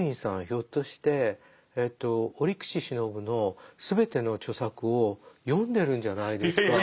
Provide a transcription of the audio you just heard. ひょっとして折口信夫の全ての著作を読んでるんじゃないですか？